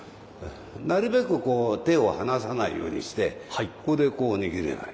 なるべくこう手を離さないようにしてここでこう握ればいい。